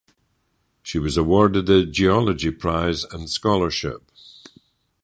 She was awarded the Geology Prize and Scholarship.